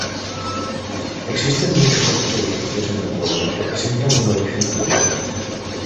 Existen muchos otros edificios en el pueblo que presentan un origen Tudor.